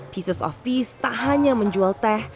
peses of peace tak hanya menjual teh